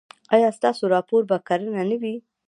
ایا ستاسو راپور به کره نه وي؟